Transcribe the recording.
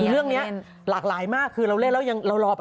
เรื่องนี้หลากหลายมากคือเราเล่นแล้วยังเรารอไป